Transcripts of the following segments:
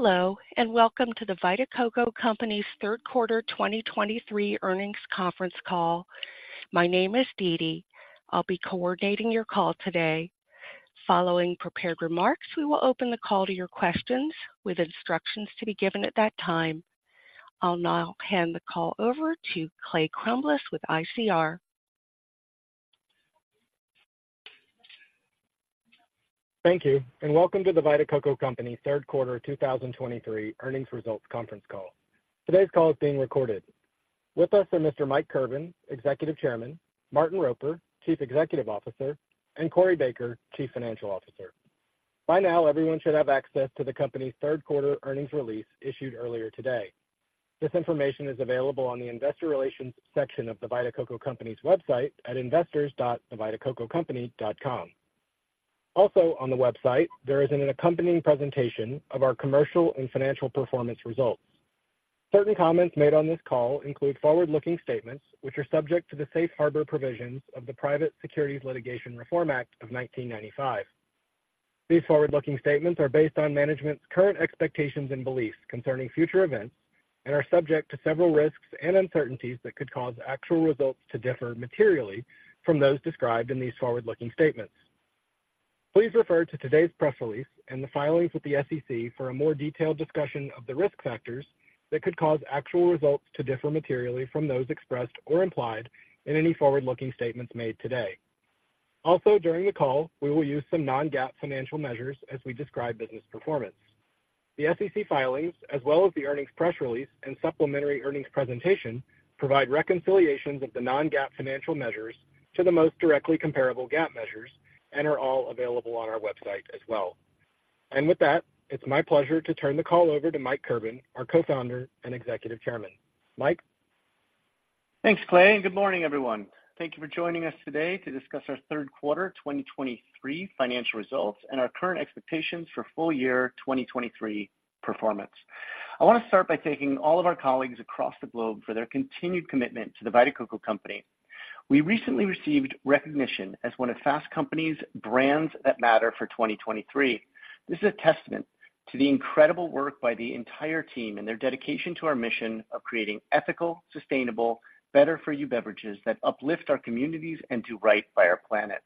Hello, and welcome to The Vita Coco Company's Q3 2023 earnings conference call. My name is Deedee. I'll be coordinating your call today. Following prepared remarks, we will open the call to your questions with instructions to be given at that time. I'll now hand the call over to Clay Crumbliss with ICR. Thank you, and welcome to The Vita Coco Company Q3 2023 earnings results conference call. Today's call is being recorded. With us are Mr. Mike Kirban, Executive Chairman, Martin Roper, Chief Executive Officer, and Corey Baker, Chief Financial Officer. By now, everyone should have access to the company's Q3 earnings release issued earlier today. This information is available on the investor relations section of The Vita Coco Company's website at investors.thevitacococompany.com. Also, on the website, there is an accompanying presentation of our commercial and financial performance results. Certain comments made on this call include forward-looking statements, which are subject to the safe harbor provisions of the Private Securities Litigation Reform Act of 1995. These forward-looking statements are based on management's current expectations and beliefs concerning future events and are subject to several risks and uncertainties that could cause actual results to differ materially from those described in these forward-looking statements. Please refer to today's press release and the filings with the SEC for a more detailed discussion of the risk factors that could cause actual results to differ materially from those expressed or implied in any forward-looking statements made today. Also, during the call, we will use some non-GAAP financial measures as we describe business performance. The SEC filings, as well as the earnings press release and supplementary earnings presentation, provide reconciliations of the non-GAAP financial measures to the most directly comparable GAAP measures and are all available on our website as well. And with that, it's my pleasure to turn the call over to Mike Kirban, our co-founder and Executive Chairman. Mike? Thanks, Clay, and good morning, everyone. Thank you for joining us today to discuss our Q3 2023 financial results and our current expectations for full year 2023 performance. I want to start by thanking all of our colleagues across the globe for their continued commitment to The Vita Coco Company. We recently received recognition as one of Fast Company's Brands That Matter for 2023. This is a testament to the incredible work by the entire team and their dedication to our mission of creating ethical, sustainable, better for you beverages that uplift our communities and do right by our planet.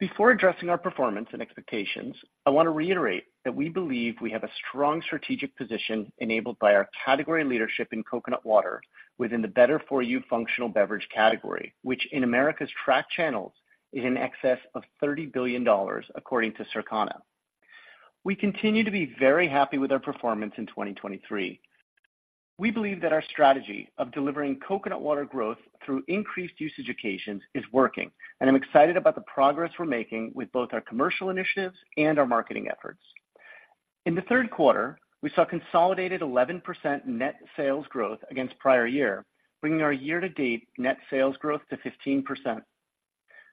Before addressing our performance and expectations, I want to reiterate that we believe we have a strong strategic position enabled by our category leadership in coconut water within the better for you functional beverage category, which in America's tracked channels, is in excess of $30 billion, according to Circana. We continue to be very happy with our performance in 2023. We believe that our strategy of delivering coconut water growth through increased usage occasions is working, and I'm excited about the progress we're making with both our commercial initiatives and our marketing efforts. In the Q3, we saw consolidated 11% net sales growth against prior year, bringing our year-to-date net sales growth to 15%.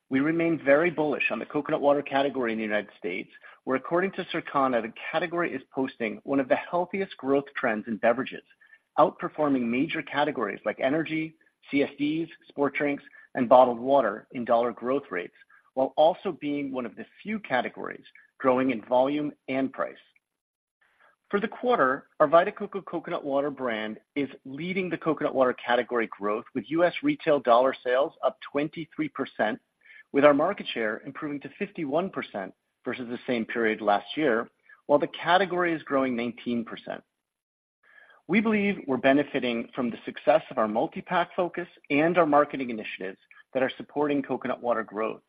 We remain very bullish on the coconut water category in the United States, where, according to Circana, the category is posting one of the healthiest growth trends in beverages, outperforming major categories like energy, CSDs, sport drinks, and bottled water in dollar growth rates, while also being one of the few categories growing in volume and price. For the quarter, our Vita Coco coconut water brand is leading the coconut water category growth, with U.S. retail dollar sales up 23%, with our market share improving to 51% versus the same period last year, while the category is growing 19%. We believe we're benefiting from the success of our multi-pack focus and our marketing initiatives that are supporting coconut water growth.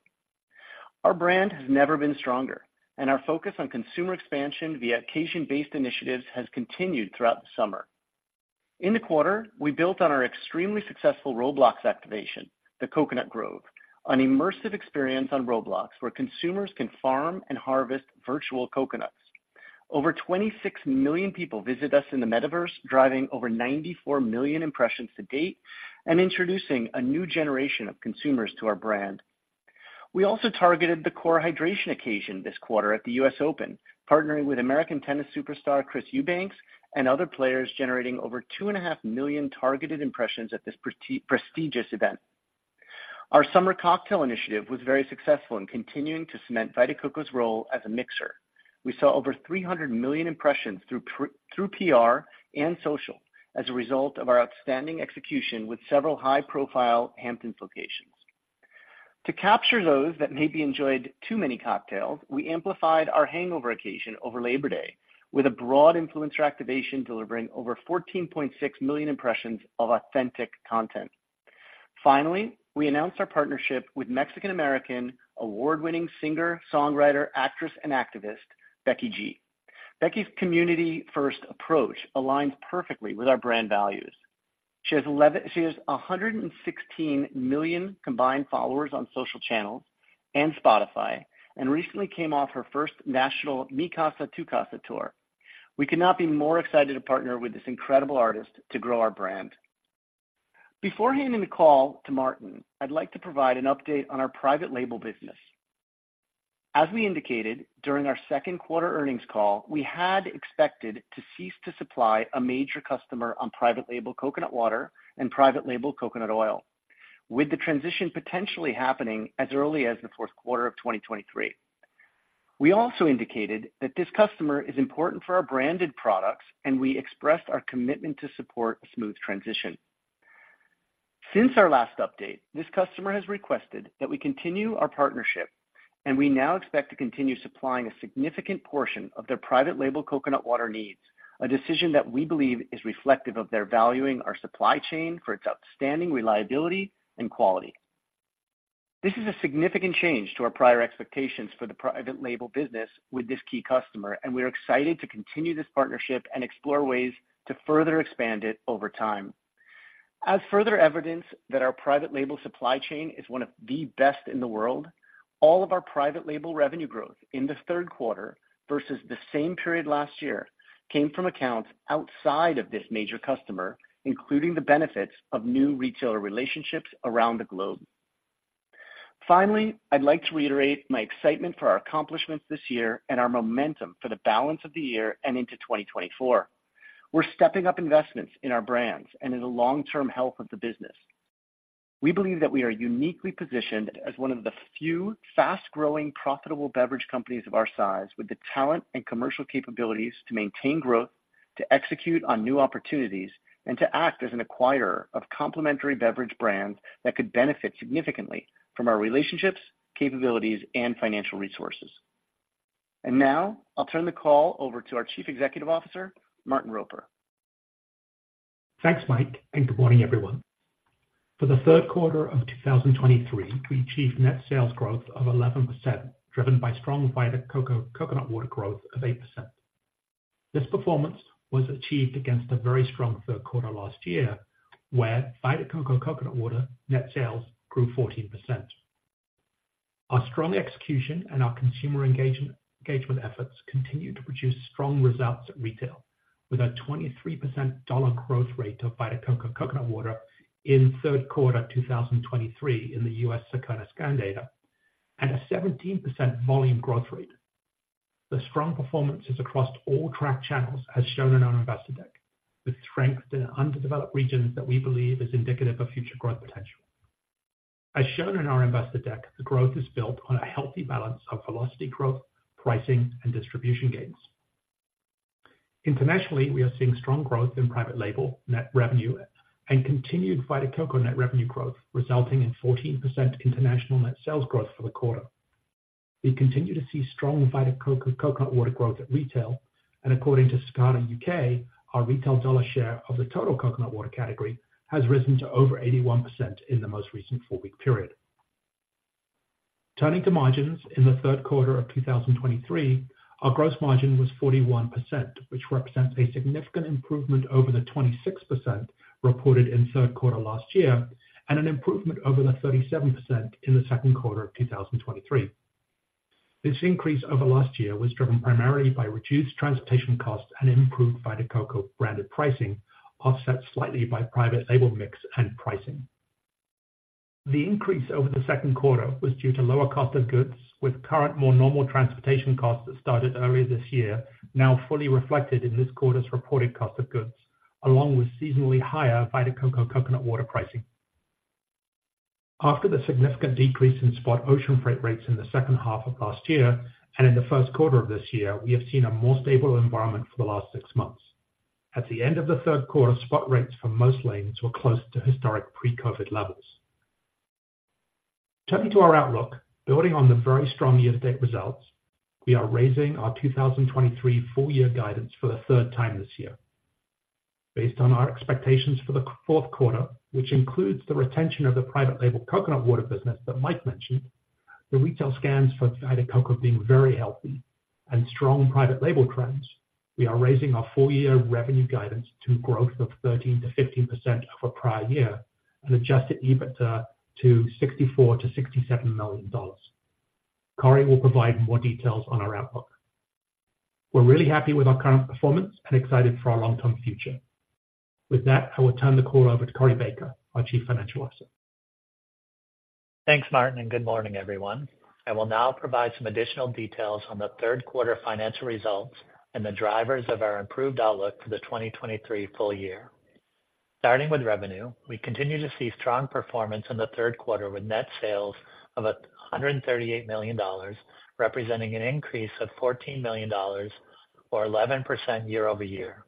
Our brand has never been stronger, and our focus on consumer expansion via occasion-based initiatives has continued throughout the summer. In the quarter, we built on our extremely successful Roblox activation, The Coconut Grove, an immersive experience on Roblox, where consumers can farm and harvest virtual coconuts. Over 26 million people visit us in the Metaverse, driving over 94 million impressions to date and introducing a new generation of consumers to our brand. We also targeted the core hydration occasion this quarter at the US Open, partnering with American tennis superstar Chris Eubanks and other players, generating over 2.5 million targeted impressions at this prestigious event. Our summer cocktail initiative was very successful in continuing to cement Vita Coco's role as a mixer. We saw over 300 million impressions through through PR and social as a result of our outstanding execution with several high-profile Hamptons locations. To capture those that maybe enjoyed too many cocktails, we amplified our hangover occasion over Labor Day with a broad influencer activation, delivering over 14.6 million impressions of authentic content. Finally, we announced our partnership with Mexican-American award-winning singer, songwriter, actress, and activist, Becky G. Becky's community-first approach aligns perfectly with our brand values. She has a hundred and sixteen million combined followers on social channels and Spotify and recently came off her first national Mi Casa Tu Casa tour. We could not be more excited to partner with this incredible artist to grow our brand. Before handing the call to Martin, I'd like to provide an update on our private label business. As we indicated during our Q2 earnings call, we had expected to cease to supply a major customer on private label coconut water and private label coconut oil. with the transition potentially happening as early as the Q4 of 2023. We also indicated that this customer is important for our branded products, and we expressed our commitment to support a smooth transition. Since our last update, this customer has requested that we continue our partnership, and we now expect to continue supplying a significant portion of their private label coconut water needs, a decision that we believe is reflective of their valuing our supply chain for its outstanding reliability and quality. This is a significant change to our prior expectations for the private label business with this key customer, and we are excited to continue this partnership and explore ways to further expand it over time. As further evidence that our private label supply chain is one of the best in the world, all of our private label revenue growth in the Q3 versus the same period last year came from accounts outside of this major customer, including the benefits of new retailer relationships around the globe. Finally, I'd like to reiterate my excitement for our accomplishments this year and our momentum for the balance of the year and into 2024. We're stepping up investments in our brands and in the long-term health of the business. We believe that we are uniquely positioned as one of the few fast-growing, profitable beverage companies of our size, with the talent and commercial capabilities to maintain growth, to execute on new opportunities, and to act as an acquirer of complementary beverage brands that could benefit significantly from our relationships, capabilities, and financial resources. Now I'll turn the call over to our Chief Executive Officer, Martin Roper. Thanks, Mike, and good morning, everyone. For the Q3 of 2023, we achieved net sales growth of 11%, driven by strong Vita Coco coconut water growth of 8%. This performance was achieved against a very strong Q3 last year, where Vita Coco coconut water net sales grew 14%. Our strong execution and our consumer engagement efforts continued to produce strong results at retail, with a 23% dollar growth rate of Vita Coco coconut water in Q3 2023 in the U.S. Circana scan data, and a 17% volume growth rate. The strong performance is across all tracked channels, as shown in our investor deck, with strength in underdeveloped regions that we believe is indicative of future growth potential. As shown in our investor deck, the growth is built on a healthy balance of velocity growth, pricing, and distribution gains. Internationally, we are seeing strong growth in private label net revenue and continued Vita Coco net revenue growth, resulting in 14% international net sales growth for the quarter. We continue to see strong Vita Coco coconut water growth at retail, and according to Circana U.K., our retail dollar share of the total coconut water category has risen to over 81% in the most recent four-week period. Turning to margins, in the Q3 of 2023, our gross margin was 41%, which represents a significant improvement over the 26% reported in Q3 last year, and an improvement over the 37% in the Q2 of 2023. This increase over last year was driven primarily by reduced transportation costs and improved Vita Coco branded pricing, offset slightly by private label mix and pricing. The increase over the Q2 was due to lower cost of goods, with current, more normal transportation costs that started earlier this year, now fully reflected in this quarter's reported cost of goods, along with seasonally higher Vita Coco coconut water pricing. After the significant decrease in spot ocean freight rates in the second half of last year and in the Q1 of this year, we have seen a more stable environment for the last six months. At the end of the Q3, spot rates for most lanes were close to historic pre-COVID levels. Turning to our outlook, building on the very strong year-to-date results, we are raising our 2023 full-year guidance for the third time this year. Based on our expectations for the Q4, which includes the retention of the private label coconut water business that Mike mentioned, the retail scans for Vita Coco being very healthy and strong private label trends, we are raising our full-year revenue guidance to growth of 13%-15% over prior year and Adjusted EBITDA to $64 million-$67 million. Corey will provide more details on our outlook. We're really happy with our current performance and excited for our long-term future. With that, I will turn the call over to Corey Baker, our Chief Financial Officer. Thanks, Martin, and good morning, everyone. I will now provide some additional details on the Q3 financial results and the drivers of our improved outlook for the 2023 full year. Starting with revenue, we continue to see strong performance in the Q3, with net sales of $138 million, representing an increase of $14 million or 11% year over year.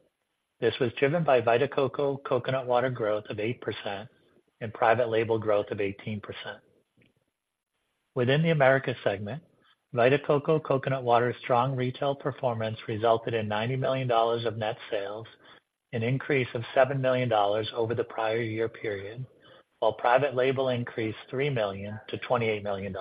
This was driven by Vita Coco coconut water growth of 8% and private label growth of 18%. Within the Americas segment, Vita Coco coconut water strong retail performance resulted in $90 million of net sales, an increase of $7 million over the prior year period, while private label increased $3 million - $28 million.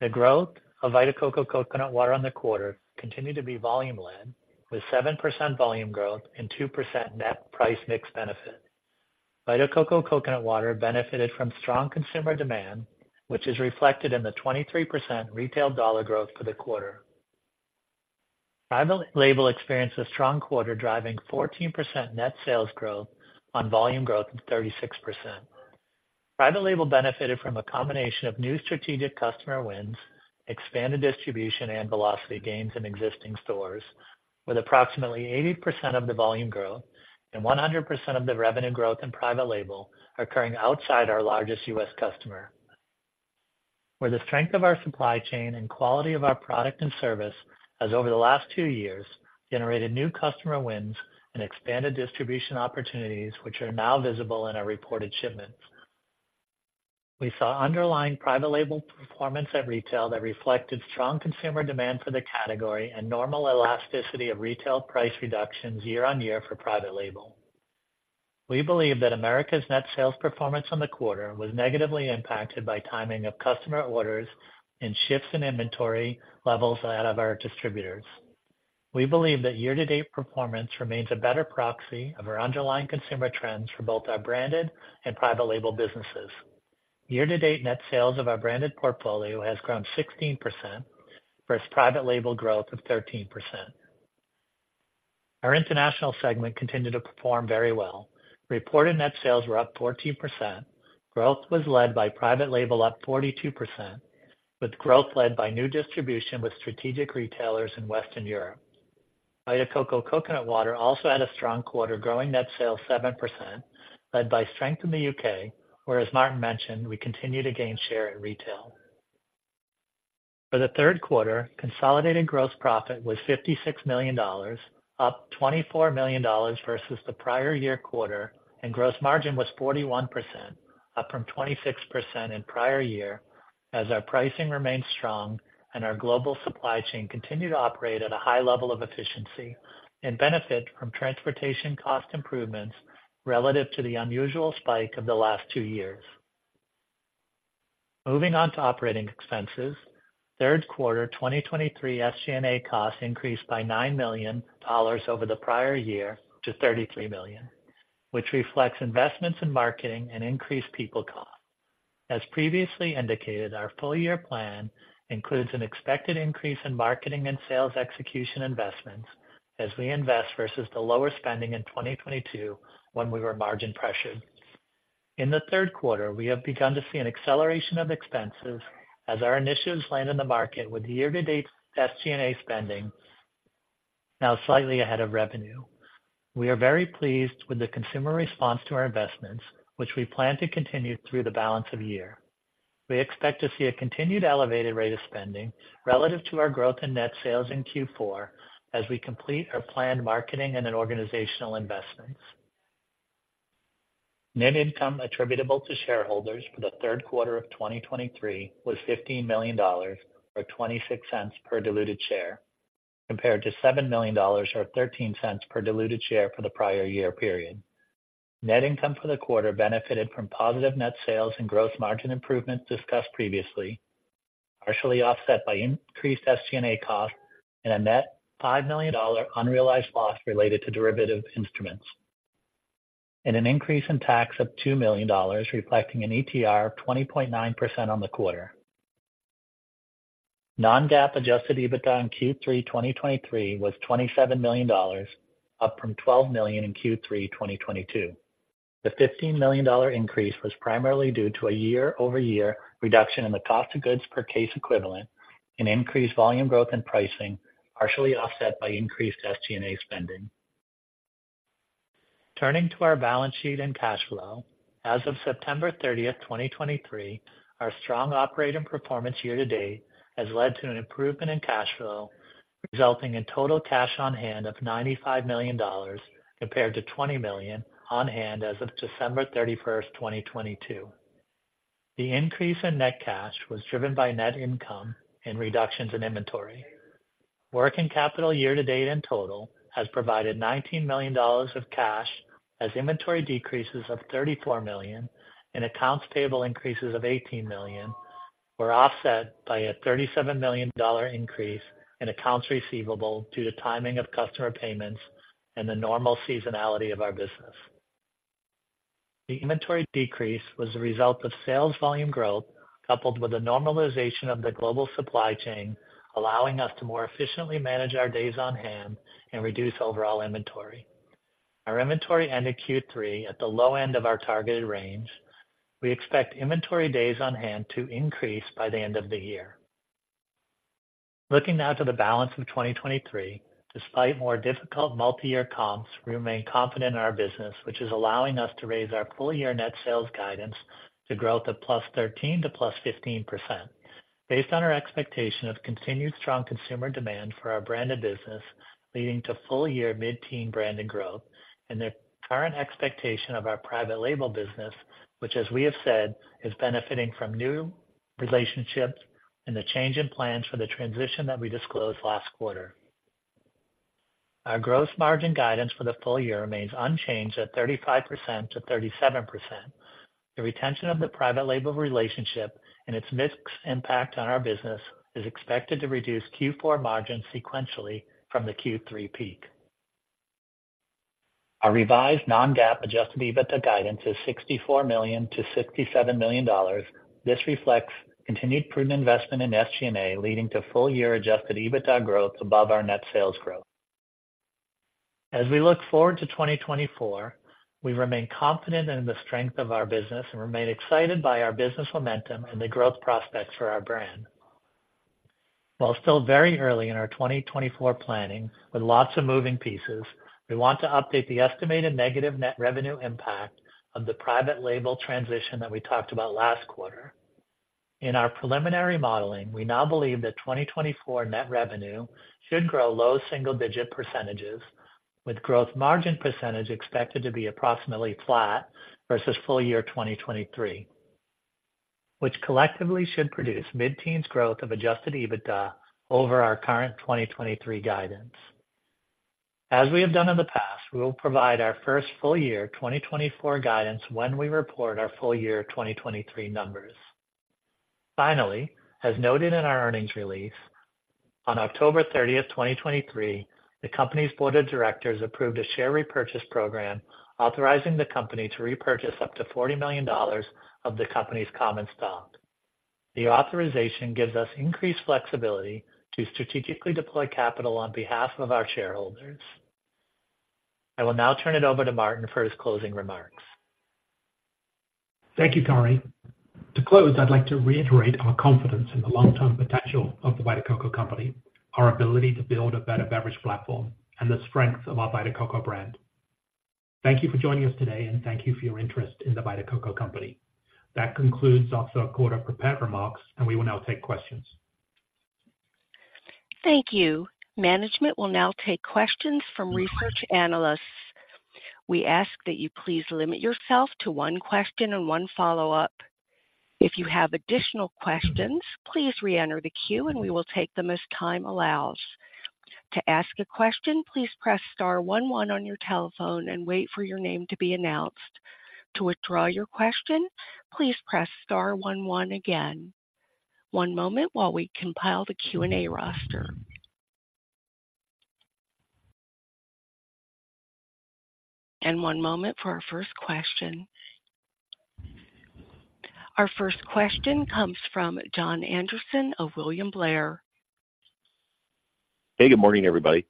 The growth of Vita Coco Coconut Water on the quarter continued to be volume-led, with 7% volume growth and 2% net price mix benefit. Vita Coco Coconut Water benefited from strong consumer demand, which is reflected in the 23% retail dollar growth for the quarter. Private label experienced a strong quarter, driving 14% net sales growth on volume growth We saw underlying private label performance at retail that reflected strong consumer demand for the category and normal elasticity of retail price reductions year-on-year for private label. We believe that Americas net sales performance on the quarter was negatively impacted by timing of customer orders and shifts in inventory levels out of our distributors. We believe that year-to-date performance remains a better proxy of our underlying consumer trends for both our branded and private label businesses. Year-to-date net sales of our branded portfolio has grown 16% versus private label growth of 13%. Our international segment continued to perform very well. Reported net sales were up 14%. Growth was led by private label, up 42%, with growth led by new distribution with strategic retailers in Western Europe. Vita Coco Coconut Water also had a strong quarter, growing net sales 7%, led by strength in the U.K., where, as Martin mentioned, we continue to gain share in retail. For the Q3, consolidated gross profit was $56 million, up $24 million versus the prior year quarter, and gross margin was 41%, up from 26% in prior year, as our pricing remained strong and our global supply chain continued to operate at a high level of efficiency and benefit from transportation cost improvements relative to the unusual spike of the last two years. Moving on to operating expenses. Q3 2023 SG&A costs increased by $9 million over the prior year to $33 million, which reflects investments in marketing and increased people costs. As previously indicated, our full year plan includes an expected increase in marketing and sales execution investments as we invest versus the lower spending in 2022, when we were margin pressured. In the Q3, we have begun to see an acceleration of expenses as our initiatives land in the market, with year-to-date SG&A spending now slightly ahead of revenue. We are very pleased with the consumer response to our investments, which we plan to continue through the balance of the year. We expect to see a continued elevated rate of spending relative to our growth in net sales in Q4 as we complete our planned marketing and organizational investments. Net income attributable to shareholders for the Q3 of 2023 was $15 million, or $0.26 per diluted share, compared to $7 million, or $0.13 per diluted share for the prior year period. Net income for the quarter benefited from positive net sales and gross margin improvements discussed previously, partially offset by increased SG&A costs and a net $5 million unrealized loss related to derivative instruments, and an increase in tax of $2 million, reflecting an ETR of 20.9% on the quarter. Non-GAAP adjusted EBITDA in Q3 2023 was $27 million, up from $12 million in Q3 2022. The $15 million increase was primarily due to a year-over-year reduction in the cost of goods per case equivalent and increased volume growth in pricing, partially offset by increased SG&A spending. Turning to our balance sheet and cash flow. As of September 30, 2023, our strong operating performance year-to-date has led to an improvement in cash flow, resulting in total cash on hand of $95 million, compared to $20 million on hand as of December 31, 2022. The increase in net cash was driven by net income and reductions in inventory. Working capital year-to-date in total has provided $19 million of cash as inventory decreases of $34 million and accounts payable increases of $18 million were offset by a $37 million increase in accounts receivable due to timing of customer payments and the normal seasonality of our business. The inventory decrease was the result of sales volume growth, coupled with a normalization of the global supply chain, allowing us to more efficiently manage our days on hand and reduce overall inventory. Our inventory ended Q3 at the low end of our targeted range. We expect inventory days on hand to increase by the end of the year. Looking now to the balance of 2023, despite more difficult multi-year comps, we remain confident in our business, which is allowing us to raise our full-year net sales guidance to growth of +13% to +15%, based on our expectation of continued strong consumer demand for our branded business, leading to full-year mid-teen branded growth and the current expectation of our private label business, which, as we have said, is benefiting from new relationships and the change in plans for the transition that we disclosed last quarter. Our gross margin guidance for the full year remains unchanged at 35%-37%. The retention of the private label relationship and its mixed impact on our business is expected to reduce Q4 margins sequentially from the Q3 peak. Our revised non-GAAP adjusted EBITDA guidance is $64 million-$67 million. This reflects continued prudent investment in SG&A, leading to full-year Adjusted EBITDA growth above our net sales growth. As we look forward to 2024, we remain confident in the strength of our business and remain excited by our business momentum and the growth prospects for our brand. While still very early in our 2024 planning with lots of moving pieces, we want to update the estimated negative net revenue impact of the private label transition that we talked about last quarter. In our preliminary modeling, we now believe that 2024 net revenue should grow low single-digit %, with growth margin percentage expected to be approximately flat versus full year 2023, which collectively should produce mid-teens % growth of Adjusted EBITDA over our current 2023 guidance. As we have done in the past, we will provide our first full year 2024 guidance when we report our full year 2023 numbers. Finally, as noted in our earnings release, on October thirtieth, 2023, the company's board of directors approved a share repurchase program, authorizing the company to repurchase up to $40 million of the company's common stock. The authorization gives us increased flexibility to strategically deploy capital on behalf of our shareholders. I will now turn it over to Martin for his closing remarks. Thank you, Corey. To close, I'd like to reiterate our confidence in the long-term potential of The Vita Coco Company, our ability to build a better beverage platform, and the strength of our Vita Coco brand. Thank you for joining us today, and thank you for your interest in The Vita Coco Company. That concludes our quarter prepared remarks, and we will now take questions. Thank you. Management will now take questions from research analysts. We ask that you please limit yourself to one question and one follow-up. If you have additional questions, please reenter the queue, and we will take them as time allows. To ask a question, please press star one, one on your telephone and wait for your name to be announced. To withdraw your question, please press star one, one again. One moment while we compile the Q&A roster. One moment for our first question. Our first question comes from Jon Andersen of William Blair. Hey, good morning, everybody.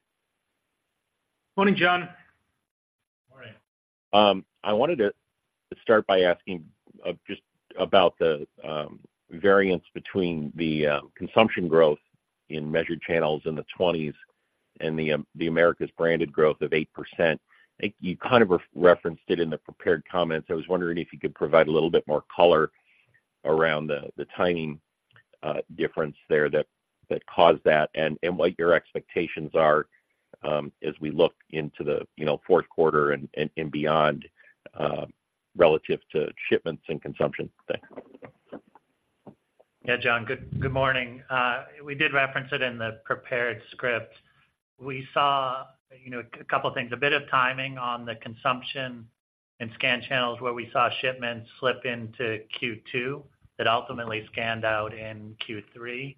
Morning, Joh. Morning. I wanted to start by asking just about the variance between the consumption growth in measured channels in the 20s and the Americas branded growth of 8%. I think you kind of referenced it in the prepared comments. I was wondering if you could provide a little bit more color around the timing difference there that caused that, and what your expectations are as we look into the Q4 and beyond relative to shipments and consumption. Thanks. Yeah, John. Good morning. We did reference it in the prepared script. We saw, you know, a couple of things, a bit of timing on the consumption and scan channels where we saw shipments slip into Q2 that ultimately scanned out in Q3.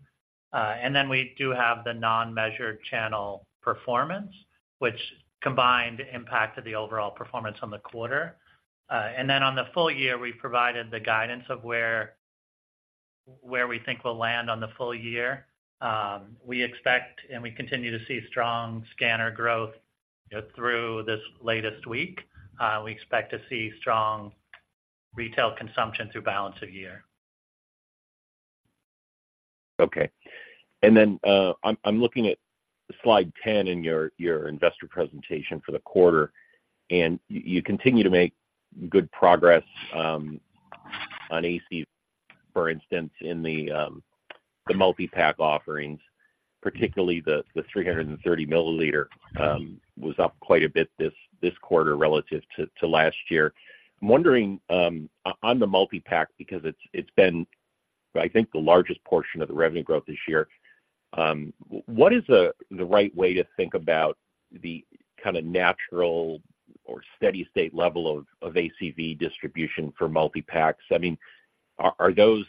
And then we do have the non-measured channel performance, which combined impacted the overall performance on the quarter. And then on the full year, we provided the guidance of where we think we'll land on the full year. We expect and we continue to see strong scanner growth through this latest week. We expect to see strong retail consumption through balance of year. Okay. I'm looking at slide 10 in your investor presentation for the quarter, and you continue to make good progress on ACV, for instance, in the multipack offerings, particularly the 330-milliliter was up quite a bit this quarter relative to last year. I'm wondering on the multipack, because it's been, I think, the largest portion of the revenue growth this year. What is the right way to think about the kind of natural or steady-state level of ACV distribution for multipacks? I mean, are those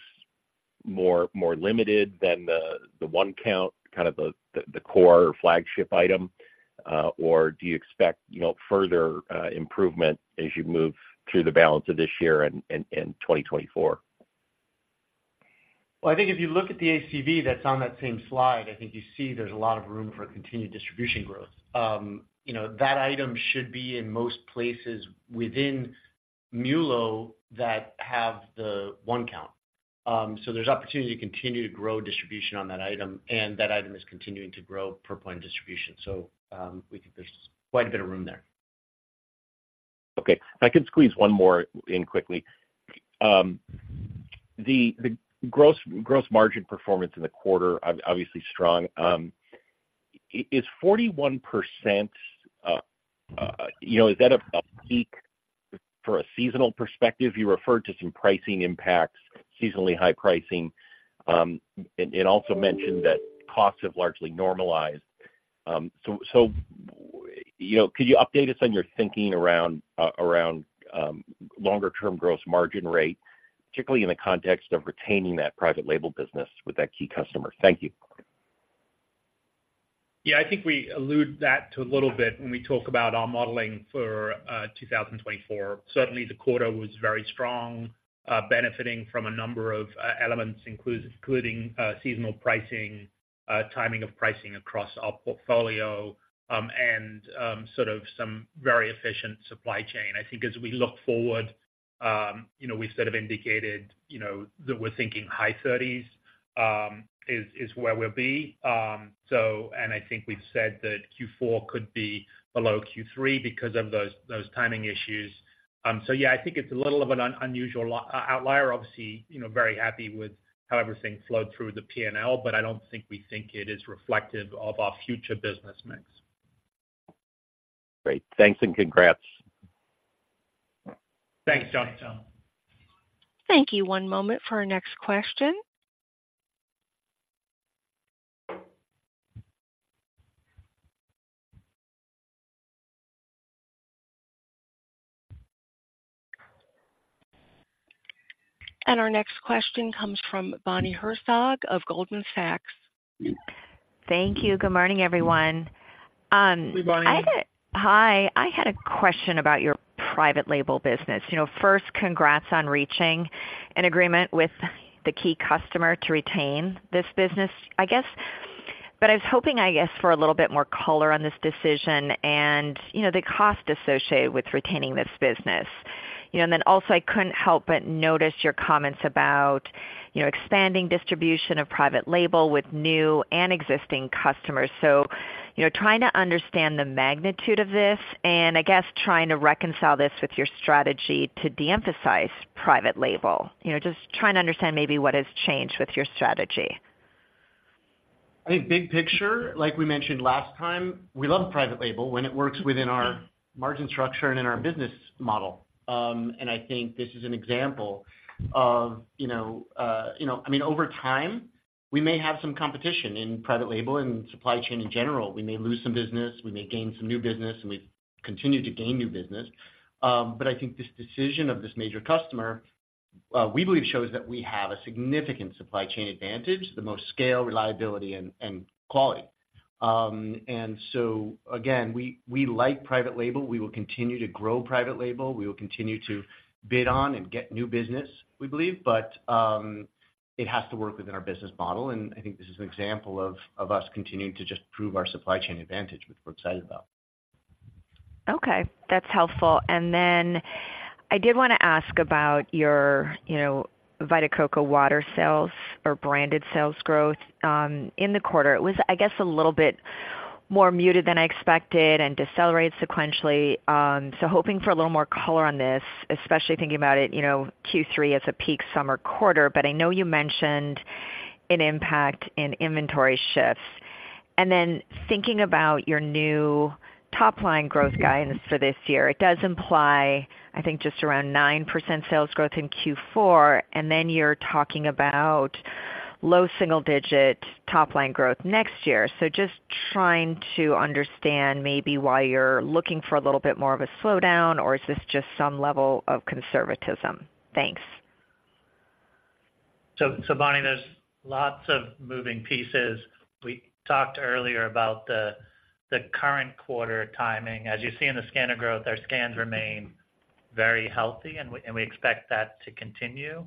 more limited than the one-count, kind of the core flagship item? Or do you expect, you know, further improvement as you move through the balance of this year and 2024? Well, I think if you look at the ACV that's on that same slide, I think you see there's a lot of room for continued distribution growth. You know, that item should be in most places within MULO that have the one count. So, there's opportunity to continue to grow distribution on that item, and that item is continuing to grow per point distribution. So, we think there's quite a bit of room there. Okay. If I could squeeze one more in quickly. The gross margin performance in the quarter, obviously strong. Is 41%, you know, is that a peak for a seasonal perspective? You referred to some pricing impacts, seasonally high pricing, and also mentioned that costs have largely normalized. So, you know, could you update us on your thinking around longer-term gross margin rate, particularly in the context of retaining that private label business with that key customer? Thank you. Yeah, I think we allude that to a little bit when we talk about our modeling for 2024. Certainly, the quarter was very strong, benefiting from a number of elements, including seasonal pricing, timing of pricing across our portfolio, and sort of some very efficient supply chain. I think as we look forward. You know, we've sort of indicated, you know, that we're thinking high thirties is where we'll be. So and I think we've said that Q4 could be below Q3 because of those timing issues. So yeah, I think it's a little of an unusual outlier. Obviously, you know, very happy with how everything flowed through the PNL, but I don't think we think it is reflective of our future business mix. Great, thanks and congrats. Thanks, John Tom. Thank you. One moment for our next question. Our next question comes from Bonnie Herzog of Goldman Sachs. Thank you. Good morning, everyone. Good morning. Hi. I had a question about your private label business. You know, first, congrats on reaching an agreement with the key customer to retain this business, I guess. But I was hoping, I guess, for a little bit more color on this decision and, you know, the cost associated with retaining this business. You know, and then also, I couldn't help but notice your comments about, you know, expanding distribution of private label with new and existing customers. So, you know, trying to understand the magnitude of this, and I guess trying to reconcile this with your strategy to de-emphasize private label. You know, just trying to understand maybe what has changed with your strategy. I think big picture, like we mentioned last time, we love private label when it works within our margin structure and in our business model. And I think this is an example of, you know, you know, I mean, over time, we may have some competition in private label and supply chain in general. We may lose some business, we may gain some new business, and we've continued to gain new business. But I think this decision of this major customer, we believe, shows that we have a significant supply chain advantage, the most scale, reliability, and, and quality. And so again, we, we like private label. We will continue to grow private label. We will continue to bid on and get new business, we believe. But, it has to work within our business model, and I think this is an example of us continuing to just prove our supply chain advantage, which we're excited about. Okay, that's helpful. And then I did wanna ask about your, you know, Vita Coco water sales or branded sales growth, in the quarter. It was, I guess, a little bit more muted than I expected and decelerated sequentially. So hoping for a little more color on this, especially thinking about it, you know, Q3 as a peak summer quarter, but I know you mentioned an impact in inventory shifts. And then thinking about your new top line growth guidance for this year, it does imply, I think, just around 9% sales growth in Q4, and then you're talking about low single digit top line growth next year. So just trying to understand maybe why you're looking for a little bit more of a slowdown, or is this just some level of conservatism? Thanks. So, Bonnie, there's lots of moving pieces. We talked earlier about the current quarter timing. As you see in the scanner growth, our scans remain very healthy, and we expect that to continue.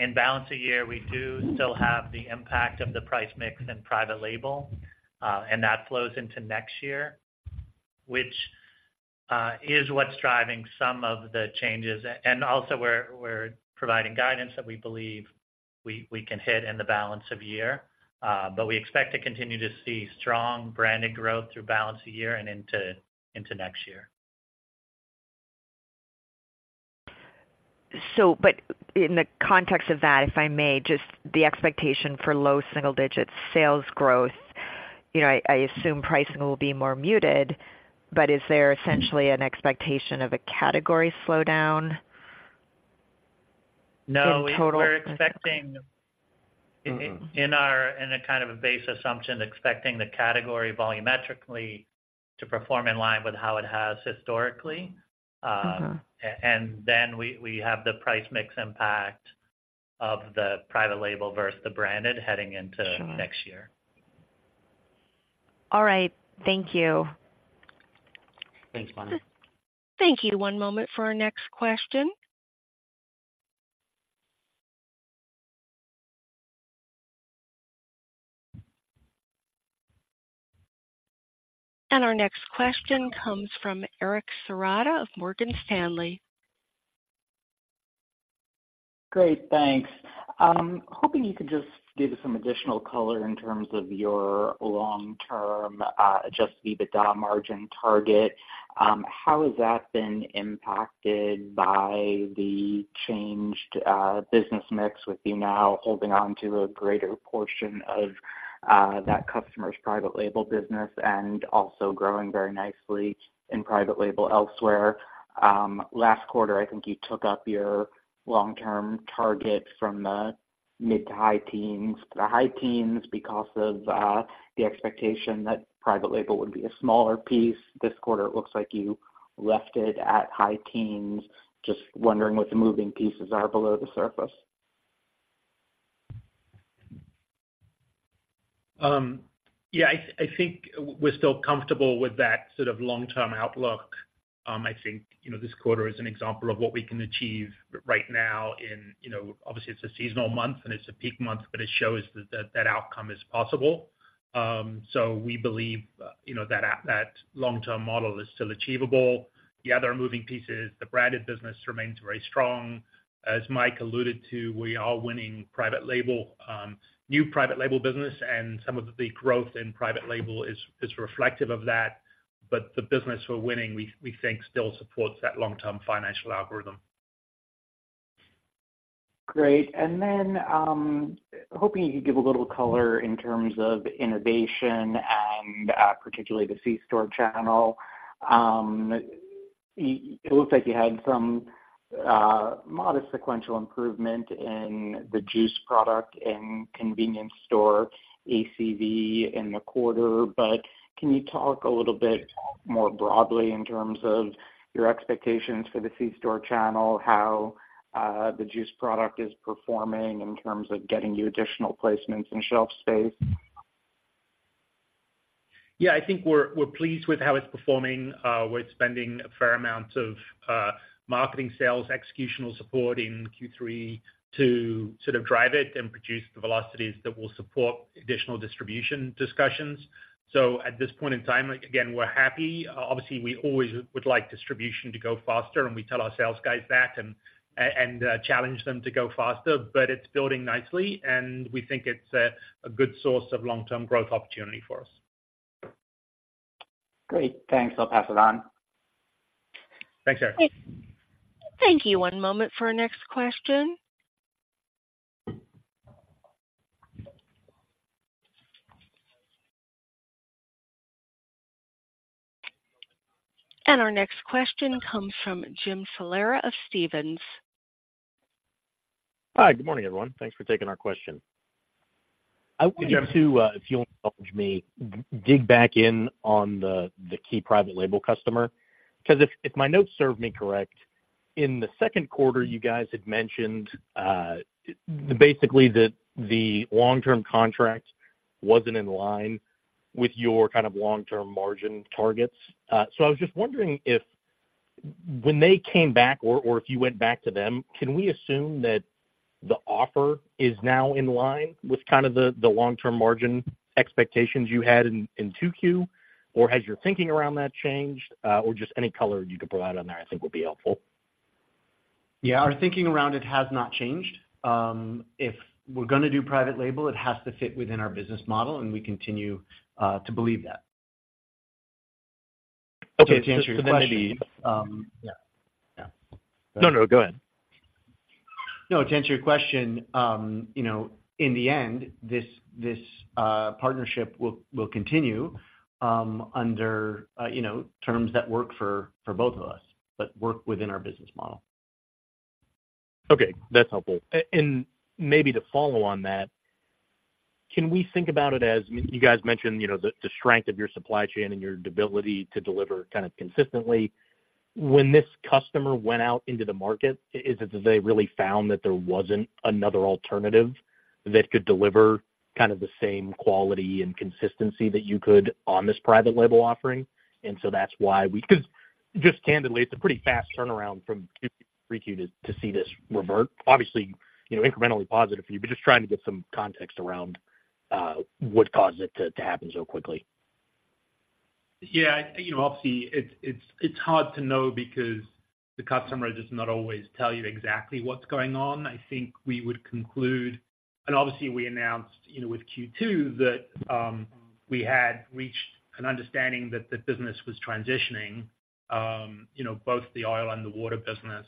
In balance of year, we do still have the impact of the price mix in private label, and that flows into next year, which is what's driving some of the changes. And also we're providing guidance that we believe we can hit in the balance of year. But we expect to continue to see strong branded growth through balance of the year and into next year. So, but in the context of that, if I may, just the expectation for low single-digit sales growth, you know, I, I assume pricing will be more muted, but is there essentially an expectation of a category slowdown? No. In total- We're expecting- Mm-hmm. in a kind of base assumption, expecting the category volumetrically to perform in line with how it has historically. Mm-hmm. And then we have the price mix impact of the private label versus the branded heading into- Sure. - next year. All right. Thank you. Thanks, Bonnie. Thank you. One moment for our next question. Our next question comes from Eric Serotta of Morgan Stanley. Great, thanks. I'm hoping you could just give us some additional color in terms of your long-term Adjusted EBITDA margin target. How has that been impacted by the changed business mix with you now holding on to a greater portion of that customer's private label business and also growing very nicely in private label elsewhere? Last quarter, I think you took up your long-term target from the mid- to high-teens to the high teens because of the expectation that private label would be a smaller piece. This quarter, it looks like you left it at high teens. Just wondering what the moving pieces are below the surface. Yeah, I think we're still comfortable with that sort of long-term outlook. I think, you know, this quarter is an example of what we can achieve right now in, you know, obviously it's a seasonal month and it's a peak month, but it shows that outcome is possible. So we believe, you know, that long-term model is still achievable. The other moving pieces, the branded business remains very strong. As Mike alluded to, we are winning private label, new private label business, and some of the growth in private label is reflective of that, but the business we're winning, we think still supports that long-term financial algorithm. Great. And then, hoping you could give a little color in terms of innovation and particularly the C store channel. It looks like you had some modest sequential improvement in the juice product in convenience store ACV in the quarter. But can you talk a little bit more broadly in terms of your expectations for the C store channel, how the juice product is performing in terms of getting you additional placements and shelf space? Yeah, I think we're pleased with how it's performing. We're spending a fair amount of marketing sales, executional support in Q3 to sort of drive it and produce the velocities that will support additional distribution discussions. So at this point in time, again, we're happy. Obviously, we always would like distribution to go faster, and we tell our sales guys that, and challenge them to go faster, but it's building nicely, and we think it's a good source of long-term growth opportunity for us. Great. Thanks. I'll pass it on. Thanks, Eric. Thank you. One moment for our next question. Our next question comes from Jim Salera of Stephens. Hi. Good morning, everyone. Thanks for taking our question. Hi, Jim. I wanted to, if you'll indulge me, dig back in on the key private label customer, because if my notes serve me correct, in the Q2, you guys had mentioned, basically, that the long-term contract wasn't in line with your kind of long-term margin targets. So I was just wondering if when they came back or if you went back to them, can we assume that the offer is now in line with kind of the long-term margin expectations you had in 2Q, or has your thinking around that changed, or just any color you could provide on there, I think would be helpful. Yeah, our thinking around it has not changed. If we're gonna do private label, it has to fit within our business model, and we continue to believe that. Okay, to answer your question- Yeah. Yeah. No, no, go ahead. No, to answer your question, you know, in the end, this partnership will continue, you know, under terms that work for both of us, but work within our business model. Okay, that's helpful. And maybe to follow on that, can we think about it as you guys mentioned, you know, the strength of your supply chain and your ability to deliver kind of consistently. When this customer went out into the market, is it that they really found that there wasn't another alternative that could deliver kind of the same quality and consistency that you could on this private label offering? And so that's why we, because just candidly, it's a pretty fast turnaround from Q3 to see this revert. Obviously, you know, incrementally positive for you, but just trying to get some context around what caused it to happen so quickly. Yeah, you know, obviously, it's hard to know because the customer does not always tell you exactly what's going on. I think we would conclude, and obviously, we announced, you know, with Q2, that we had reached an understanding that the business was transitioning, you know, both the oil and the water business,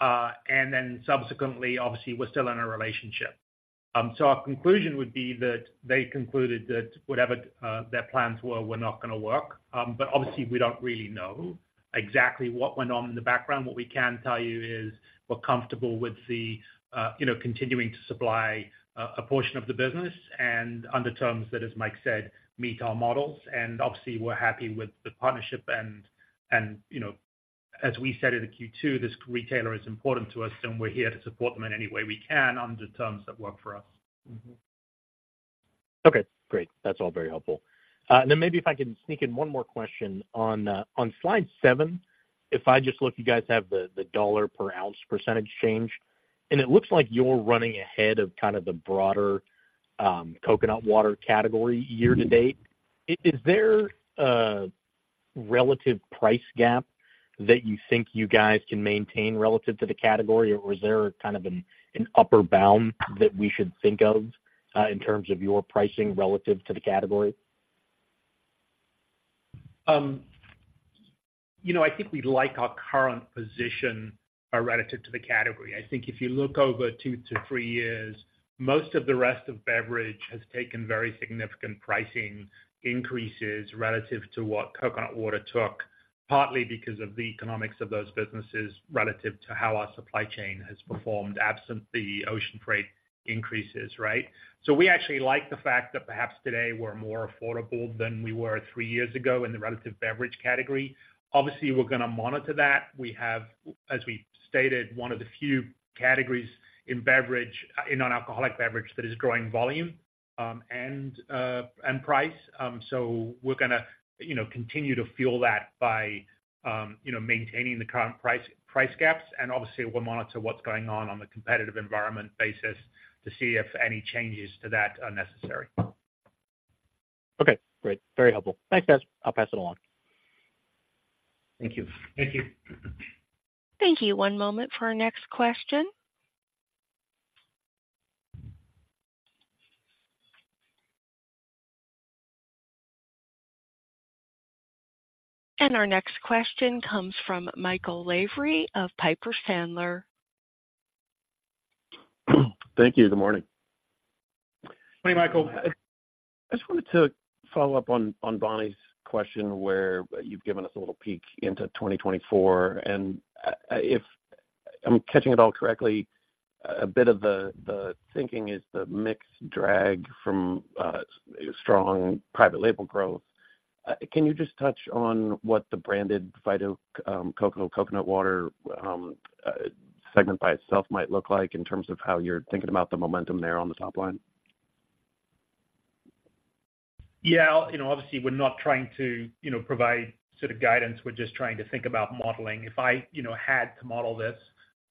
and then subsequently, obviously, we're still in a relationship. So our conclusion would be that they concluded that whatever their plans were were not gonna work. But obviously, we don't really know exactly what went on in the background. What we can tell you is we're comfortable with the, you know, continuing to supply a portion of the business and under terms that, as Mike said, meet our models. Obviously, we're happy with the partnership and, you know, as we said in the Q2, this retailer is important to us, and we're here to support them in any way we can under terms that work for us. Mm-hmm. Okay, great. That's all very helpful. And then maybe if I can sneak in one more question on slide seven, if I just look, you guys have the dollar per ounce percentage change, and it looks like you're running ahead of kind of the broader coconut water category year to date. Mm-hmm. Is there a relative price gap that you think you guys can maintain relative to the category, or is there kind of an upper bound that we should think of in terms of your pricing relative to the category? You know, I think we like our current position relative to the category. I think if you look over 2-3 years, most of the rest of beverage has taken very significant pricing increases relative to what coconut water took, partly because of the economics of those businesses relative to how our supply chain has performed, absent the ocean freight increases, right? So we actually like the fact that perhaps today we're more affordable than we were 3 years ago in the relative beverage category. Obviously, we're gonna monitor that. We have, as we stated, one of the few categories in beverage in non-alcoholic beverage that is growing volume and price. So we're gonna, you know, continue to fuel that by, you know, maintaining the current price, price gaps, and obviously, we'll monitor what's going on on the competitive environment basis to see if any changes to that are necessary. Okay, great. Very helpful. Thanks, guys. I'll pass it along. ...Thank you. Thank you. Thank you. One moment for our next question. Our next question comes from Michael Lavery of Piper Sandler. Thank you. Good morning. Good morning, Michael. I just wanted to follow up on Bonnie's question, where you've given us a little peek into 2024, and if I'm catching it all correctly, a bit of the thinking is the mix drag from strong private label growth. Can you just touch on what the branded Vita Coco coconut water segment by itself might look like in terms of how you're thinking about the momentum there on the top line? Yeah. You know, obviously, we're not trying to, you know, provide sort of guidance. We're just trying to think about modeling. If I, you know, had to model this,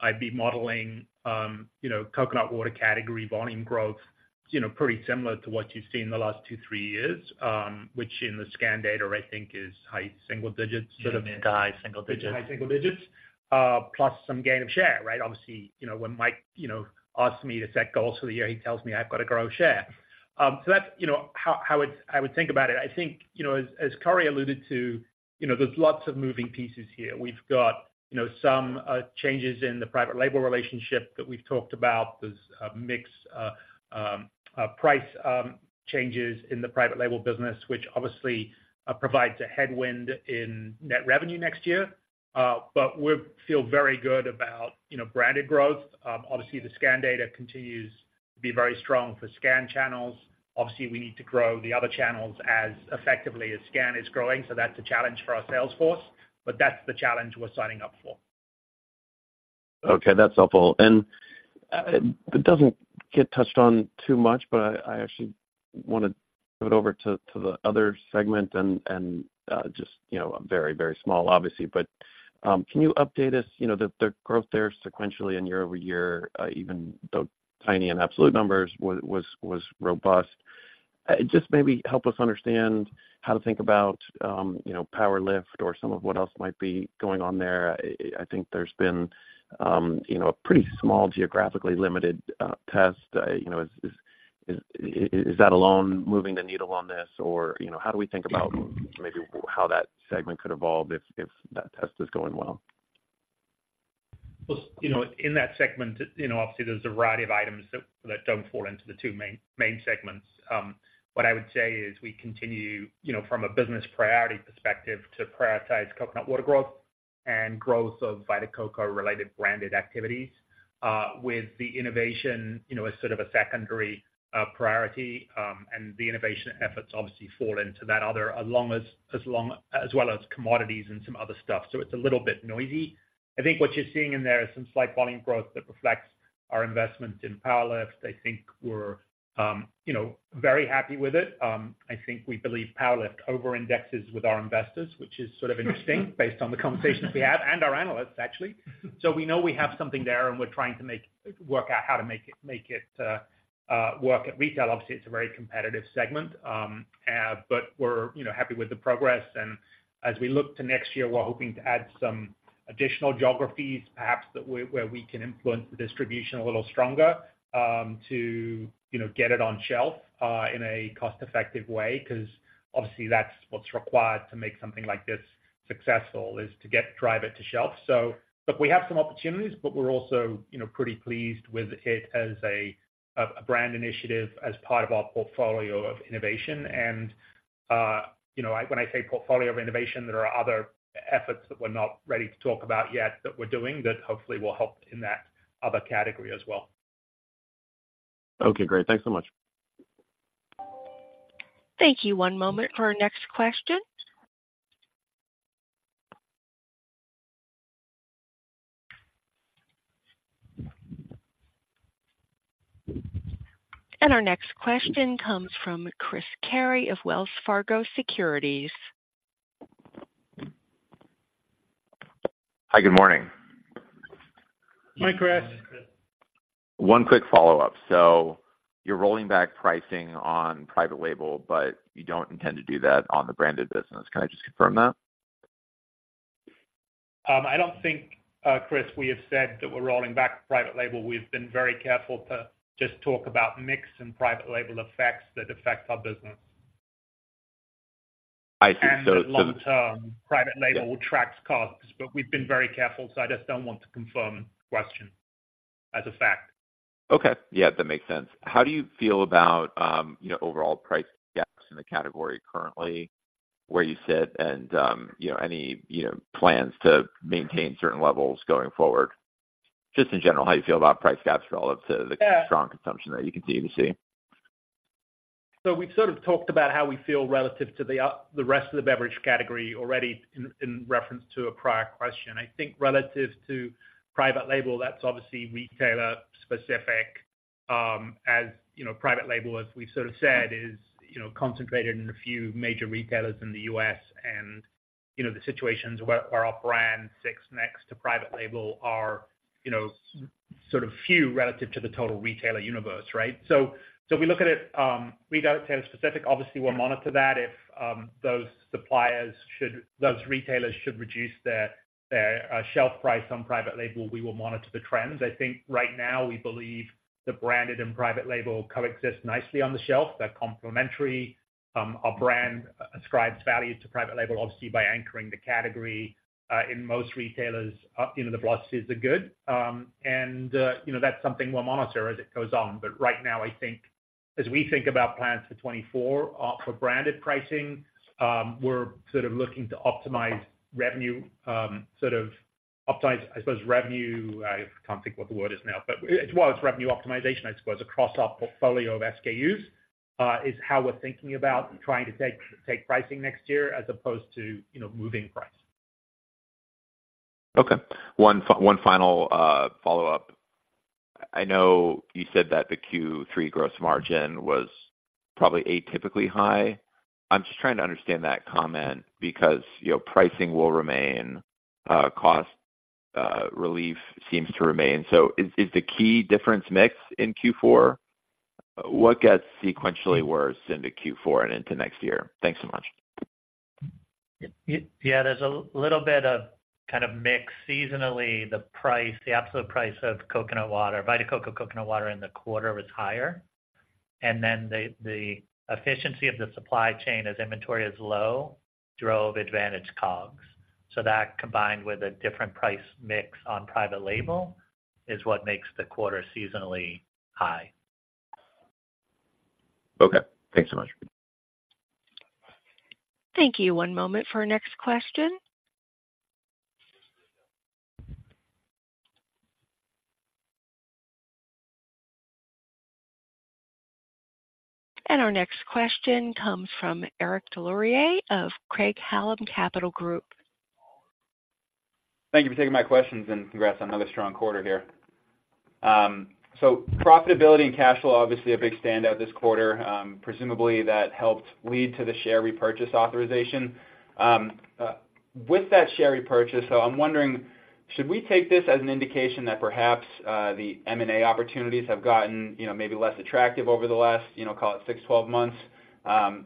I'd be modeling, you know, coconut water category, volume growth, you know, pretty similar to what you've seen in the last two, three years, which in the scan data, I think is high single digits, sort of- High single digits. High single digits, plus some gain of share, right? Obviously, you know, when Mike, you know, asks me to set goals for the year, he tells me I've got to grow share. So that's, you know, how I would think about it. I think, you know, as Corey alluded to, you know, there's lots of moving pieces here. We've got, you know, some changes in the private label relationship that we've talked about. There's mix, price changes in the private label business, which obviously provides a headwind in net revenue next year. But we feel very good about, you know, branded growth. Obviously, the scan data continues to be very strong for scan channels. Obviously, we need to grow the other channels as effectively as scan is growing, so that's a challenge for our sales force, but that's the challenge we're signing up for. Okay, that's helpful. And it doesn't get touched on too much, but I actually wanna put it over to the other segment and just, you know, very, very small, obviously. But can you update us? You know, the growth there sequentially and year-over-year, even though tiny in absolute numbers was robust. Just maybe help us understand how to think about, you know, PWR LIFT or some of what else might be going on there. I think there's been, you know, a pretty small, geographically limited test. You know, is that alone moving the needle on this? Or, you know, how do we think about maybe how that segment could evolve if that test is going well? Well, you know, in that segment, you know, obviously there's a variety of items that don't fall into the two main segments. What I would say is we continue, you know, from a business priority perspective, to prioritize coconut water growth and growth of Vita Coco related branded activities, with the innovation, you know, as sort of a secondary priority, and the innovation efforts obviously fall into that other, as well as commodities and some other stuff, so it's a little bit noisy. I think what you're seeing in there is some slight volume growth that reflects our investment in PWR LIFT. I think we're, you know, very happy with it. I think we believe PWR LIFT over-indexes with our investors, which is sort of interesting based on the conversations we have and our analysts, actually. So we know we have something there, and we're trying to work out how to make it work at retail. Obviously, it's a very competitive segment, but we're, you know, happy with the progress, and as we look to next year, we're hoping to add some additional geographies, perhaps where we can influence the distribution a little stronger, to, you know, get it on shelf in a cost-effective way, 'cause obviously that's what's required to make something like this successful, is to drive it to shelf. So, but we have some opportunities, but we're also, you know, pretty pleased with it as a brand initiative, as part of our portfolio of innovation. You know, when I say portfolio of innovation, there are other efforts that we're not ready to talk about yet, that we're doing, that hopefully will help in that other category as well. Okay, great. Thanks so much. Thank you. One moment for our next question. Our next question comes from Chris Carey of Wells Fargo Securities. Hi, good morning. Hi, Chris. One quick follow-up. So you're rolling back pricing on private label, but you don't intend to do that on the branded business. Can I just confirm that? I don't think, Chris, we have said that we're rolling back private label. We've been very careful to just talk about mix and private label effects that affect our business. I see, so- Long term, private label tracks costs, but we've been very careful, so I just don't want to confirm question as a fact. Okay. Yeah, that makes sense. How do you feel about, you know, overall price gaps in the category currently, where you sit and, you know, any, you know, plans to maintain certain levels going forward? Just in general, how you feel about price gaps relative to the strong consumption that you continue to see. So we've sort of talked about how we feel relative to the up, the rest of the beverage category already in reference to a prior question. I think relative to private label, that's obviously retailer-specific. As you know, private label, as we've sort of said, is, you know, concentrated in a few major retailers in the U.S., and, you know, the situations where our brand sits next to private label are, you know, sort of few relative to the total retailer universe, right? So we look at it retailer-specific. Obviously, we'll monitor that if those retailers should reduce their, their shelf price on private label, we will monitor the trends. I think right now, we believe the branded and private label coexist nicely on the shelf. They're complementary. Our brand ascribes value to private label, obviously, by anchoring the category, in most retailers, you know, the velocities are good. And, you know, that's something we'll monitor as it goes on. But right now, I think as we think about plans for 2024, for branded pricing, we're sort of looking to optimize revenue, sort of optimize, I suppose, revenue, I can't think what the word is now, but well, it's revenue optimization, I suppose, across our portfolio of SKUs, is how we're thinking about trying to take, take pricing next year as opposed to, you know, moving price. Okay. One final follow-up. I know you said that the Q3 gross margin was probably atypically high. I'm just trying to understand that comment because, you know, pricing will remain, cost relief seems to remain. So is the key difference mix in Q4? What gets sequentially worse into Q4 and into next year? Thanks so much. Yeah, there's a little bit of kind of mix. Seasonally, the price, the absolute price of coconut water, Vita Coco Coconut Water in the quarter was higher, and then the efficiency of the supply chain as inventory is low, drove advantage COGS. So that, combined with a different price mix on private label, is what makes the quarter seasonally high. Okay, thanks so much. Thank you. One moment for our next question. Our next question comes from Eric Des Lauriers of Craig-Hallum Capital Group. Thank you for taking my questions, and congrats on another strong quarter here. So profitability and cash flow, obviously a big standout this quarter. Presumably, that helped lead to the share repurchase authorization. With that share repurchase, so I'm wondering, should we take this as an indication that perhaps the M&A opportunities have gotten, you know, maybe less attractive over the last, you know, call it 6, 12 months?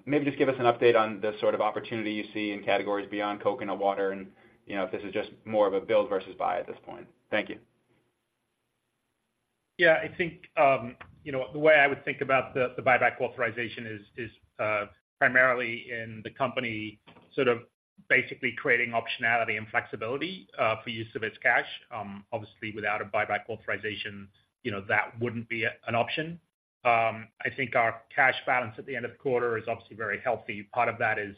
Maybe just give us an update on the sort of opportunity you see in categories beyond coconut water and, you know, if this is just more of a build versus buy at this point. Thank you. Yeah, I think, you know, the way I would think about the buyback authorization is primarily in the company sort of basically creating optionality and flexibility for use of its cash. Obviously, without a buyback authorization, you know, that wouldn't be an option. I think our cash balance at the end of the quarter is obviously very healthy. Part of that is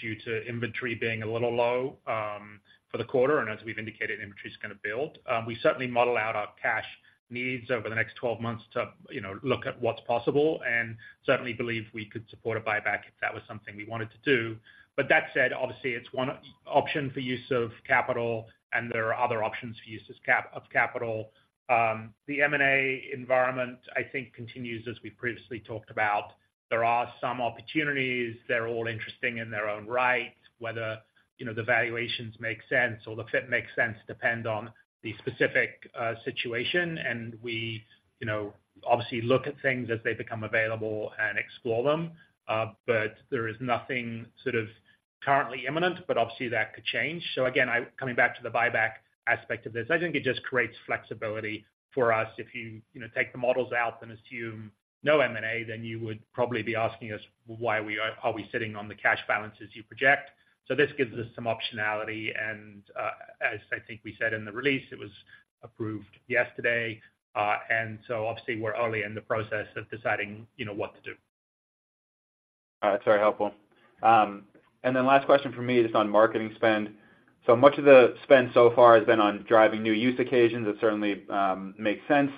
due to inventory being a little low for the quarter, and as we've indicated, inventory is gonna build. We certainly model out our cash needs over the next twelve months to, you know, look at what's possible and certainly believe we could support a buyback if that was something we wanted to do. But that said, obviously, it's one option for use of capital, and there are other options for use of capital. The M&A environment, I think, continues as we previously talked about. There are some opportunities. They're all interesting in their own right, whether, you know, the valuations make sense or the fit makes sense depend on the specific situation. And we, you know, obviously look at things as they become available and explore them. But there is nothing sort of currently imminent, but obviously, that could change. So again, I... Coming back to the buyback aspect of this, I think it just creates flexibility for us. If you, you know, take the models out and assume no M&A, then you would probably be asking us, why are we, are we sitting on the cash balances you project? This gives us some optionality, and as I think we said in the release, it was approved yesterday, and so obviously, we're early in the process of deciding, you know, what to do. All right, it's very helpful. And then last question for me is on marketing spend. So much of the spend so far has been on driving new use occasions. It certainly makes sense.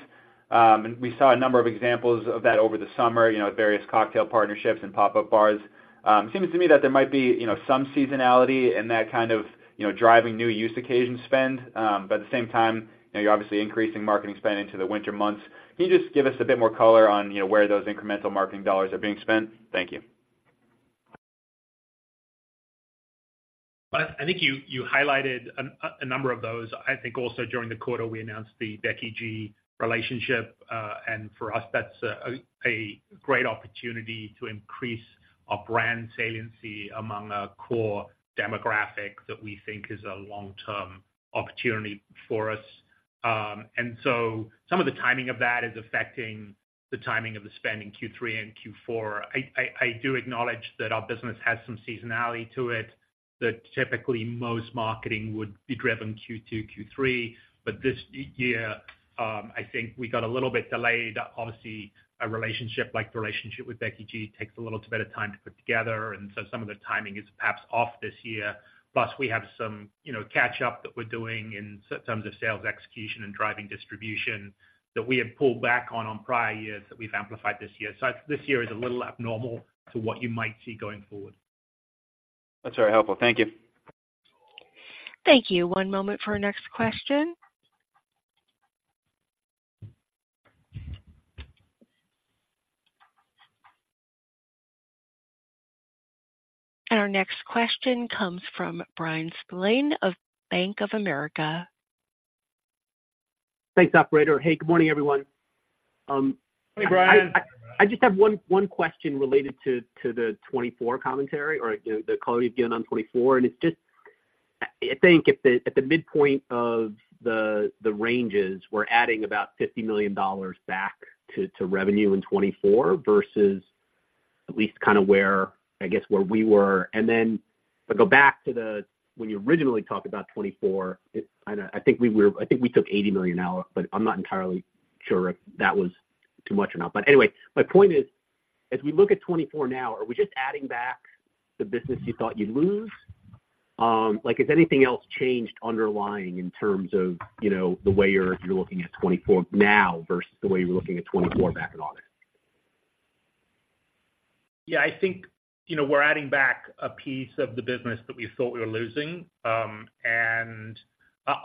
And we saw a number of examples of that over the summer, you know, various cocktail partnerships and pop-up bars. It seems to me that there might be, you know, some seasonality in that kind of, you know, driving new use occasion spend, but at the same time, you're obviously increasing marketing spend into the winter months. Can you just give us a bit more color on, you know, where those incremental marketing dollars are being spent? Thank you. I think you highlighted a number of those. I think also during the quarter, we announced the Becky G relationship, and for us, that's a great opportunity to increase our brand saliency among a core demographic that we think is a long-term opportunity for us. And so some of the timing of that is affecting the timing of the spend in Q3 and Q4. I do acknowledge that our business has some seasonality to it, that typically most marketing would be driven Q2, Q3, but this year, I think we got a little bit delayed. Obviously, a relationship like the relationship with Becky G takes a little bit of time to put together, and so some of the timing is perhaps off this year. Plus, we have some, you know, catch up that we're doing in terms of sales execution and driving distribution that we had pulled back on, on prior years that we've amplified this year. So this year is a little abnormal to what you might see going forward. That's very helpful. Thank you. Thank you. One moment for our next question.... Our next question comes from Brian Spillane of Bank of America. Thanks, operator. Hey, good morning, everyone. Hey, Brian. I just have one question related to the 2024 commentary or the call you've given on 2024, and it's just, I think at the midpoint of the ranges, we're adding about $50 million back to revenue in 2024 versus at least kind of where, I guess, where we were. And then if I go back to the... When you originally talked about 2024, I know, I think we took $80 million out, but I'm not entirely sure if that was too much or not. But anyway, my point is, as we look at 2024 now, are we just adding back the business you thought you'd lose? Like, has anything else changed underlying in terms of, you know, the way you're looking at 2024 now versus the way you were looking at 2024 back in August? Yeah, I think, you know, we're adding back a piece of the business that we thought we were losing, and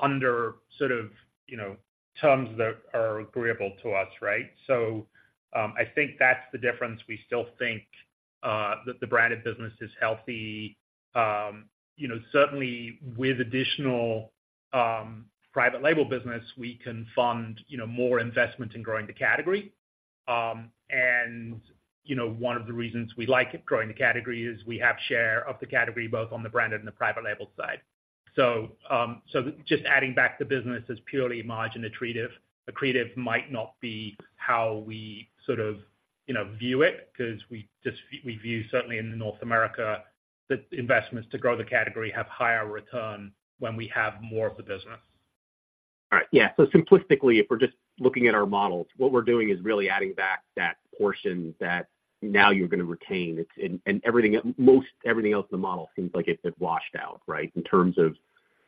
under sort of, you know, terms that are agreeable to us, right? So, I think that's the difference. We still think that the branded business is healthy. You know, certainly with additional private label business, we can fund, you know, more investment in growing the category. And, you know, one of the reasons we like it, growing the category, is we have share of the category, both on the branded and the private label side. So, so just adding back the business is purely margin accretive. Accretive might not be how we sort of, you know, view it, 'cause we just we view, certainly in North America, the investments to grow the category have higher return when we have more of the business. All right. Yeah, so simplistically, if we're just looking at our models, what we're doing is really adding back that portion that now you're gonna retain. It's. And everything, most everything else in the model seems like it had washed out, right? In terms of,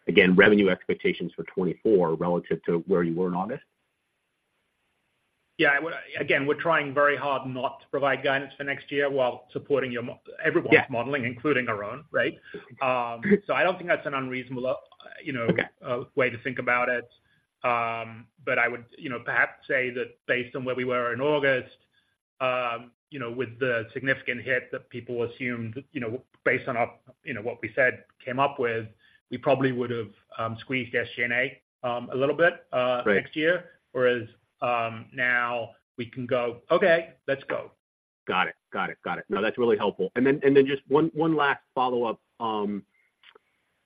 again, revenue expectations for 2024 relative to where you were in August. Yeah, well, again, we're trying very hard not to provide guidance for next year while supporting your mo- Yeah. Everyone's modeling, including our own, right? So I don't think that's an unreasonable, you know, way to think about it. But I would, you know, perhaps say that based on where we were in August, you know, with the significant hit that people assumed, you know, based on, you know, what we said, came up with, we probably would have, squeezed SG&A, a little bit, Right. next year. Whereas, now we can go, "Okay, let's go. Got it. Got it. Got it. No, that's really helpful. And then, and then just one, one last follow-up.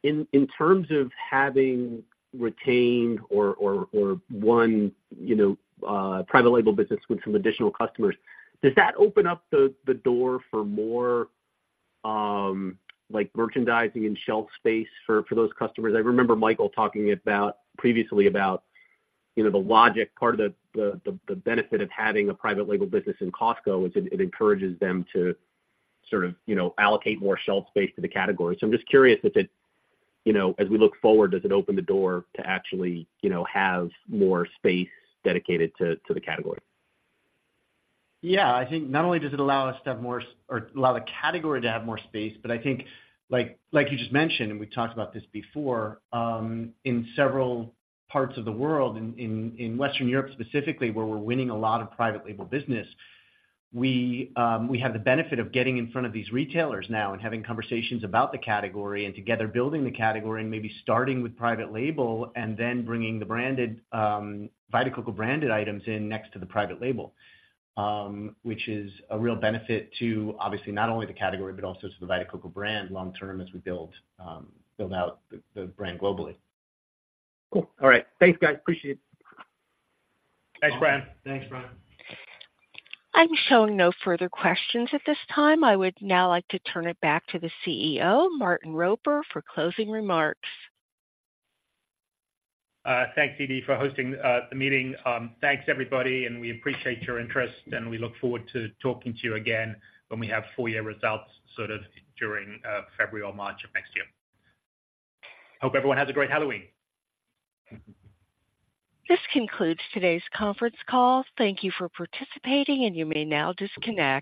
In terms of having retained or, or, or won, you know, private label business with some additional customers, does that open up the door for more, like, merchandising and shelf space for those customers? I remember Michael talking about previously about, you know, the logic, part of the benefit of having a private label business in Costco is it encourages them to sort of, you know, allocate more shelf space to the category. So I'm just curious if it, you know, as we look forward, does it open the door to actually, you know, have more space dedicated to the category? Yeah, I think not only does it allow us to have more space, but I think, like, like you just mentioned, and we've talked about this before, in several parts of the world, in Western Europe specifically, where we're winning a lot of private label business, we have the benefit of getting in front of these retailers now and having conversations about the category and together building the category and maybe starting with private label and then bringing the branded Vita Coco branded items in next to the private label. Which is a real benefit to obviously not only the category, but also to the Vita Coco brand long term as we build out the brand globally. Cool. All right. Thanks, guys. Appreciate it. Thanks, Brian. Thanks, Brian. I'm showing no further questions at this time. I would now like to turn it back to the CEO, Martin Roper, for closing remarks. Thanks, Dede, for hosting the meeting. Thanks, everybody, and we appreciate your interest, and we look forward to talking to you again when we have full year results, sort of during February or March of next year. Hope everyone has a great Halloween. This concludes today's conference call. Thank you for participating, and you may now disconnect.